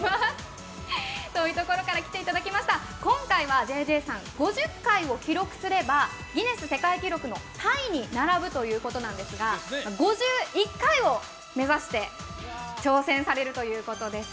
遠いところから来ていただきました、今回ＪＪさん５０回を記録すればギネス世界記録のタイに並ぶということなんですが５１回を目指して挑戦されるということです。